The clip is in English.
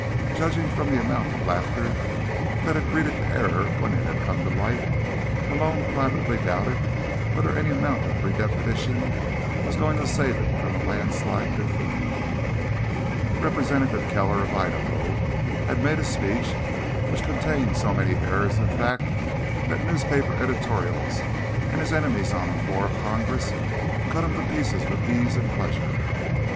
Judging from the amount of laughter that had greeted the error when it had come to light, Malone privately doubted whether any amount of redefinition was going to save it from a landslide defeat. Representative Keller of Idaho had made a speech which contained so many errors of fact that newspaper editorials, and his enemies on the floor of Congress, cut him to pieces with ease and pleasure.